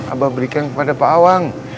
abah berikan kepada pak awang